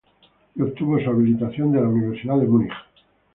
Y obtuvo su habilitación de la Universidad de Múnich.